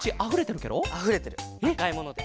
あかいもので。